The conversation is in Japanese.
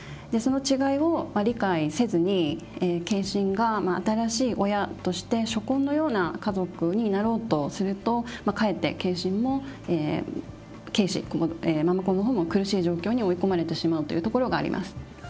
その違いを理解せずに継親が新しい親として初婚のような家族になろうとするとまあかえって継親も継子の方も苦しい状況に追い込まれてしまうというところがあります。